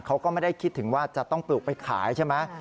เขาก็ไม่ได้คิดถึงว่าจะต้องปลูกไปขายใช่ไหม